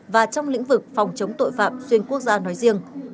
và trong lĩnh vực phòng chống tội phạm xuyên quốc gia nói riêng